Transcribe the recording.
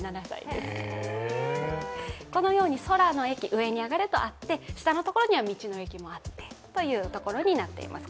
このように空の駅、上に上がるとあって下のところには道の駅もあってというところになってます。